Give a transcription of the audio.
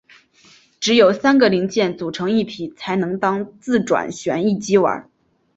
只有三个零件组成一体才能当自转旋翼机玩。